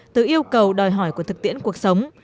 từ yêu cầu đòi hỏi của thực tiễn cuộc sống